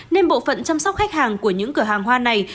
nên bộ phận chăm sóc khách hàng của những cửa hàng hoa này